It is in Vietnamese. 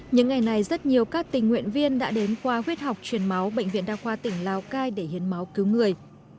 những ngày này rất nhiều các tình nguyện viên đã đến khoa huyết học truyền máu bệnh viện đa khoa tỉnh lào cai để hiến máu cứu người